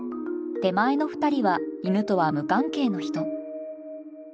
手前の２人は犬とは無関係の人。